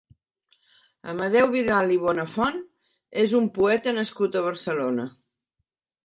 Amadeu Vidal i Bonafont és un poeta nascut a Barcelona.